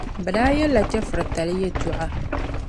Bɛ daa yεlila chεfuritali yεltɔɣa